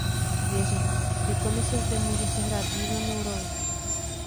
Věřím, že Komise zde může sehrát významnou roli.